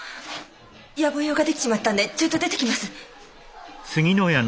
やぼ用が出来ちまったんでちょいと出てきます。